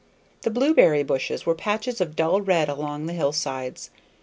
The blueberry bushes made patches of dull red along the hillsides.